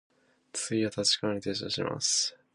次は立川に停車いたします。